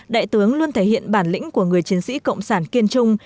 đại tướng luôn thể hiện bản lĩnh của người chiến sĩ cộng sản kiên trung